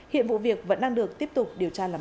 hiện vụ việc vẫn đang được tiếp tục điều tra làm rõ